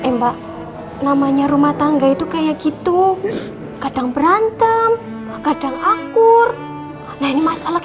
tembak namanya rumah tangga itu kayak gitu kadang berantem kadang akur nah ini masalah